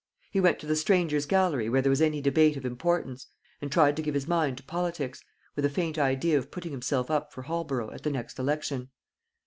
He went to the strangers' gallery when there was any debate of importance, and tried to give his mind to politics, with a faint idea of putting himself up for Holborough at the next election.